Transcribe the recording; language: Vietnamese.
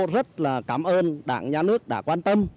rất là cảm ơn đảng nhà nước đã quan tâm